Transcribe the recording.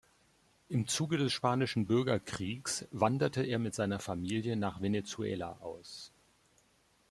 Im Zuge des Spanischen Bürgerkriegs wanderte er mit seiner Familie nach Venezuela aus.